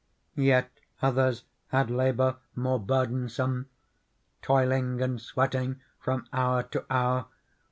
Yet others had labour more burdensome. Toiling and sweating from hour to hour.